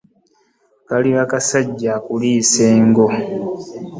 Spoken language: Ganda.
Kaliba kasajja , akuliisa engo .